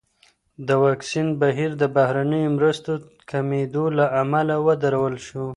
د واکسین بهیر د بهرنیو مرستو کمېدو له امله ودرول شو.